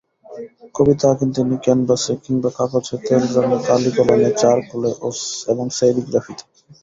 কবিতা আঁকেন তিনি, ক্যানভাসে, কিংবা কাগজে, তেলরঙে, কালি-কলমে, চারকোলে এবং সেরিগ্রাফিতে।